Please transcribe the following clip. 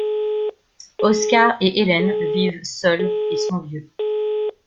Oskar et Hélène vivent seuls et sont vieux.